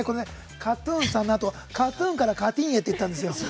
ＫＡＴ‐ＴＵＮさんのあとＫＡＴ‐ＴＵＮからＣａｔｅｅｎへと言ったんですよ。